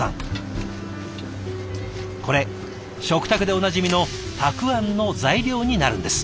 これ食卓でおなじみのたくあんの材料になるんです。